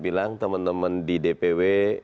bilang teman teman di dpw